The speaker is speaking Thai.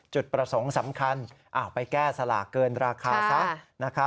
จุดประสงค์สำคัญไปแก้สลากเกินราคาซะ